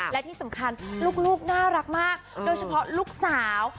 และที่สำคัญลูกน่ารักมากโดยเฉพาะลูกสาว